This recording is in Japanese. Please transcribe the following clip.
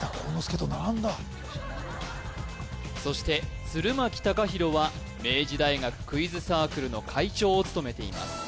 そして鶴巻嵩大は明治大学クイズサークルの会長を務めています